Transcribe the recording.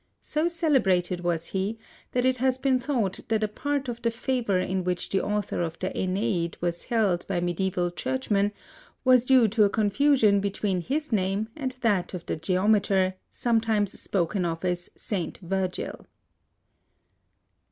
So celebrated was he that it has been thought that a part of the favor in which the author of the Aeneid was held by medieval churchmen was due to a confusion between his name and that of the geometer, sometimes spoken of as St. Virgil.